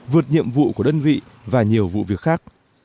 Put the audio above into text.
vượt nhiệm vụ của đơn vị và nhiều vụ việc khác